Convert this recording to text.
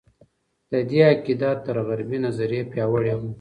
د دې عقیده تر غربي نظریې پیاوړې وه.